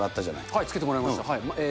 はい、付けてもらいました。